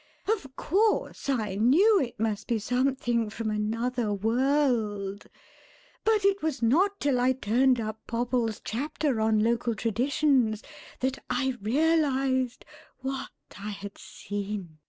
Of course, I knew it must be something from another world, but it was not till I turned up Popple's chapter on local traditions that I realised what I had seen."